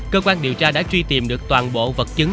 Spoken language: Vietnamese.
cơ quan điều tra đã truy tìm được toàn bộ vật chứng